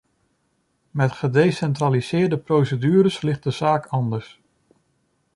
Met gedecentraliseerde procedures ligt de zaak anders.